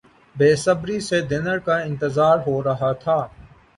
بےصبری سے ڈنر کا انتظار ہورہا تھا